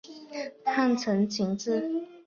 汉承秦制。